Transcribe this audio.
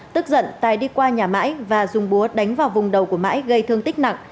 tức giận tài đi qua nhà mãi và dùng búa đánh vào vùng đầu của mãi gây thương tích nặng